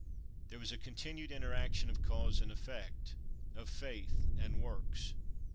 There was a continued interaction of cause and effect—of faith and works.